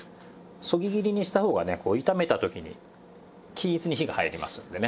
そぎ切りにした方がねこう炒めた時に均一に火が入りますのでね。